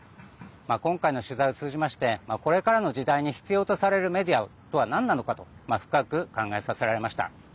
今回の取材を通じましてこれからの時代に必要とされるメディアとはなんなのかを深く考えさせられました。